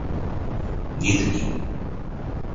ディズニー